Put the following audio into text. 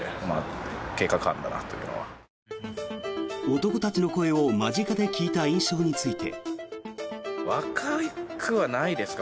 男たちの声を間近で聞いた印象について。